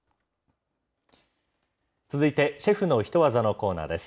続いてシェフのヒトワザのコーナーです。